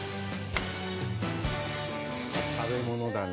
食べ物がね。